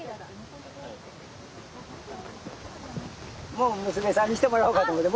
もう娘さんにしてもらおうかと思って。